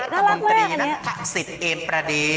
น่ารักเลยอันนี้